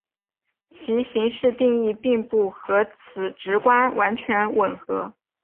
其形式定义并不和此直观完全吻合。